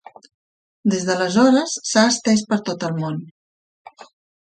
Des d'aleshores, s'ha estès per tot el món.